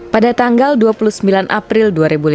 pada tanggal dua puluh sembilan april dua ribu lima belas